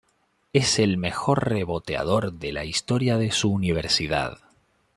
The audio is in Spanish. Es el mejor reboteador de la historia de su universidad.